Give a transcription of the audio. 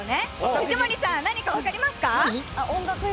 藤森さん、何か分かりますか？